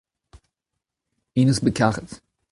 int neus bet karet.